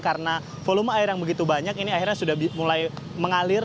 karena volume air yang begitu banyak ini akhirnya sudah mulai mengalir